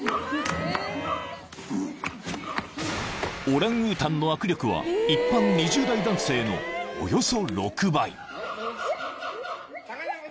［オランウータンの握力は一般２０代男性のおよそ６倍］